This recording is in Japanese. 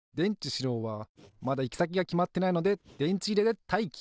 しろうはまだいきさきがきまってないのででんちいれでたいき！